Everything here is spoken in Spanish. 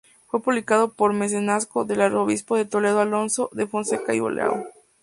Fue publicado por mecenazgo del arzobispo de Toledo Alonso de Fonseca y Ulloa.